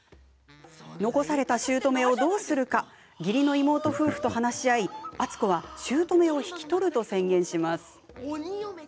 残されたしゅうとめをどうするか義理の妹夫婦と話し合い篤子は、しゅうとめを引き取ると宣言します。